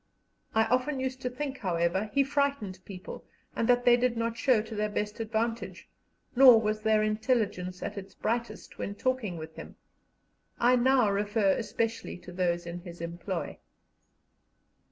I often used to think, however, he frightened people, and that they did not show to their best advantage, nor was their intelligence at its brightest when talking with him. I now refer especially to those in his employ.